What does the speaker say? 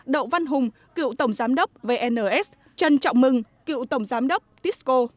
đậu văn hùng cựu tổng giám đốc vns trần trọng mừng cựu tổng giám đốc tixco